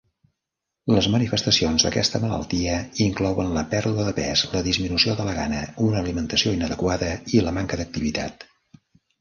Les manifestacions d'aquesta malaltia inclouen la pèrdua de pes, la disminució de la gana, una alimentació inadequada i la manca d'activitat.